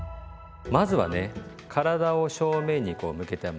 まずはね体を正面にこう向けたままね。